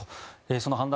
その判断